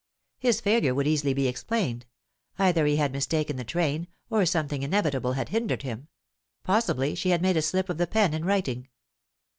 His failure would easily be explained; either he had mistaken the train, or something inevitable had hindered him; possibly she had made a slip of the pen in writing.